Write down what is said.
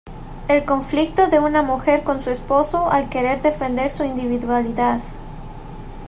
El conflicto de una mujer con su esposo al querer defender su individualidad.